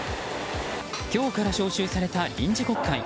今日から召集された臨時国会。